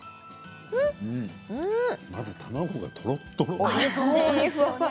まず卵がとろっとろ。